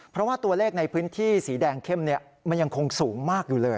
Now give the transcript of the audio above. เพราะว่าตัวเลขในพื้นที่สีแดงเข้มมันยังคงสูงมากอยู่เลย